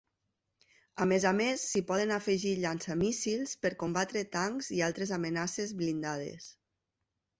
A més a més, s'hi podien afegir llançamíssils per combatre tancs i altres amenaces blindades.